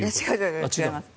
違います。